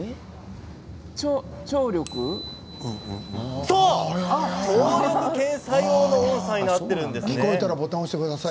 聴力検査用の音さになっているんですね。